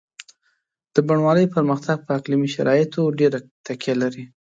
د بڼوالۍ پرمختګ په اقلیمي شرایطو ډېره تکیه لري.